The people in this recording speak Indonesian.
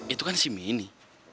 itu kan si mini